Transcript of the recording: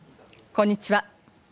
こんにちは。